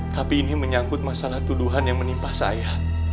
tapi ini menyangkut masalah tuduhan yang menimpa saya